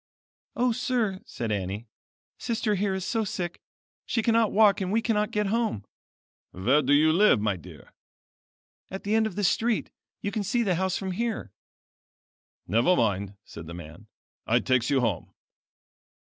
"O sir," said Annie, Sister here is so sick she cannot walk and we cannot get home." "Where do you live my dear?" "At the end of this street; you can see the house from here." "Never mind," said the man, "I takes you home."